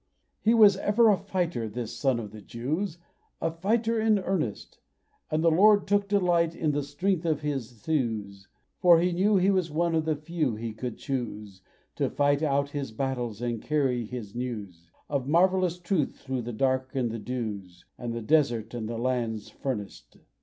He was ever a fighter, this son of the Jews A fighter in earnest; And the Lord took delight in the strength of his thews, For He knew he was one of the few He could choose To fight out His battles and carry His news Of a marvellous truth through the dark and the dews, And the desert lands furnaced!